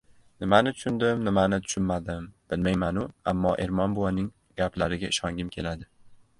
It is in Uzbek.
Nimani tushundim, nimani tushunmadim, bilmaymanu, ammo Ermon buvaning gaplariga ishongim keladi.